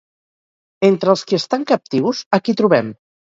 Entre els qui estan captius, a qui trobem?